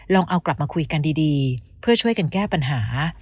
ลองเอากลับมาคุยกันดีเพื่อช่วยกันแก้ปัญหา